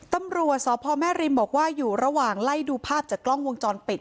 ตำรวจสพแม่ริมบอกว่าอยู่ระหว่างไล่ดูภาพจากกล้องวงจรปิด